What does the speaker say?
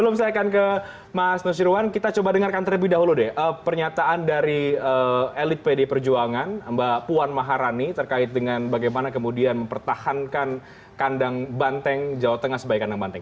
mbak puan maharani terkait dengan bagaimana kemudian mempertahankan kandang banteng jawa tengah sebagai kandang banteng